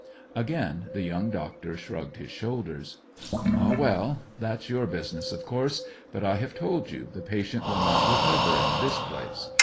Again the young doctor shrugged his shoulders. "Ah, well, that's your business, of course; but I have told you the patient will not recover in this place.